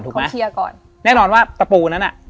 ถูกมั้ยครับเคลียร์ก่อนแน่นอนว่าตะปูนั้นน่ะ